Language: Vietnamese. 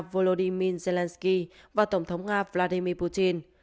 volodymyr zelensky và tổng thống nga vladimir putin